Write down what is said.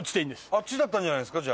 あっちだったんじゃないですか？